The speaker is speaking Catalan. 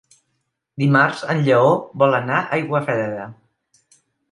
Dimarts en Lleó vol anar a Aiguafreda.